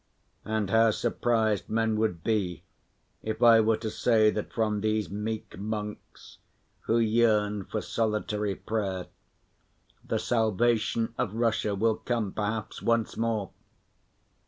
And how surprised men would be if I were to say that from these meek monks, who yearn for solitary prayer, the salvation of Russia will come perhaps once more!